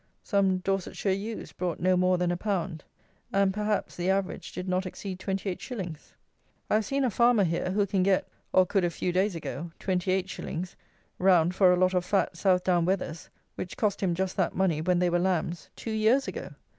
Some Dorsetshire Ewes brought no more than a pound; and, perhaps, the average did not exceed 28_s._ I have seen a farmer here who can get (or could a few days ago) 28_s._ round for a lot of fat Southdown Wethers, which cost him just that money, when they were lambs, two years ago!